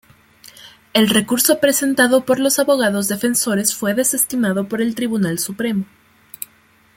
El recurso presentado por los abogados defensores fue desestimado por el Tribunal Supremo.